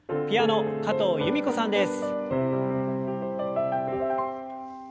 ピアノ加藤由美子さんです。